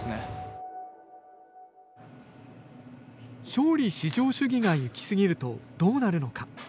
勝利至上主義が行き過ぎるとどうなるのか。